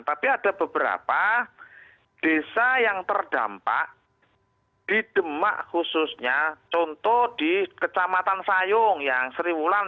tapi ada beberapa desa yang terdampak di demak khususnya contoh di kecamatan sayung yang seriwulan